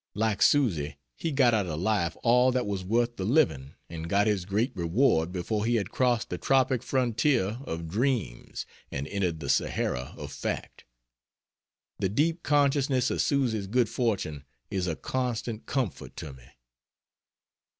Like Susy, he got out of life all that was worth the living, and got his great reward before he had crossed the tropic frontier of dreams and entered the Sahara of fact. The deep consciousness of Susy's good fortune is a constant comfort to me.